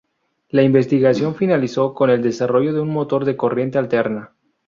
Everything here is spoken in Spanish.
La investigación finalizó con el desarrollo de un motor de corriente alterna.